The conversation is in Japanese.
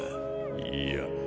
いいや。